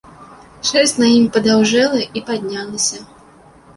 Шэрсць на ім падаўжэла і паднялася.